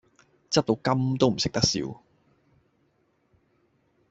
執到金都唔識得笑